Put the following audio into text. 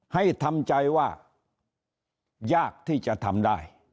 ให้ทำใจว่ายากที่จะทำได้